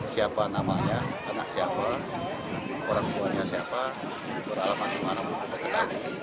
siapa namanya anak siapa orang tuanya siapa beralaman dimanapun kita ketahui